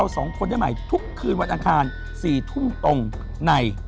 สี่ทุ่มตรงใน